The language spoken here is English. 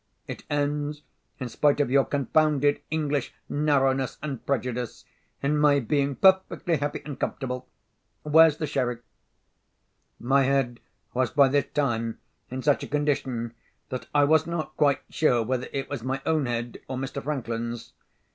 It ends, in spite of your confounded English narrowness and prejudice, in my being perfectly happy and comfortable. Where's the sherry?" My head was by this time in such a condition, that I was not quite sure whether it was my own head, or Mr. Franklin's.